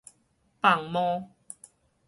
放毛